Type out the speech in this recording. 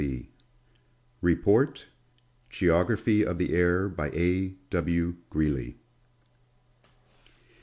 151 REPORT— GEOGRAPHY OF THE AIR. By a. W. Gkeely.